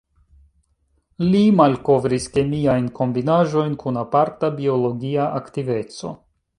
Li malkovris kemiajn kombinaĵojn kun aparta biologia aktiveco.